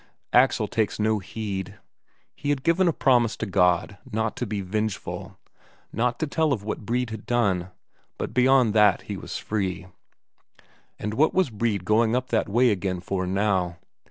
Axel takes no heed. He had given a promise to God not to be vengeful, not to tell of what Brede had done, but beyond that he was free. And what was Brede going up that way again for now?